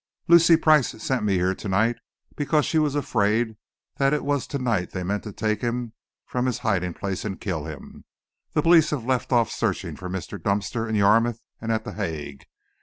"Lucy Price sent me here to night because she was afraid that it was to night they meant to take him from his hiding place and kill him. The police have left off searching for Mr. Dunster in Yarmouth and at The Hague.